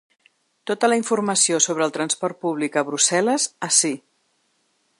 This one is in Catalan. Tota la informació sobre el transport públic a Brussel·les ací.